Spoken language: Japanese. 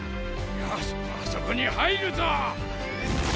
よしあそこに入るぞ！